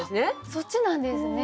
そっちなんですね